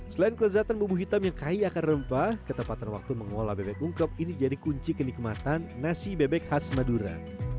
selain kelezatan bumbu hitam yang kaya akan rempah ketepatan waktu mengolah bebek ungkep ini jadi kunci kenikmatan nasi bebek khas madura